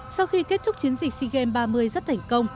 sau khi kết thúc chiến dịch sea games ba mươi rất thành công